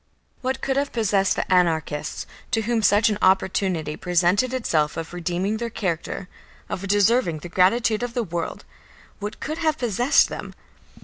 What could have possessed the anarchists, to whom such an opportunity presented itself of redeeming their character, of deserving the gratitude of the world, what could have possessed them?